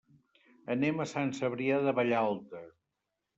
Anem a Sant Cebrià de Vallalta.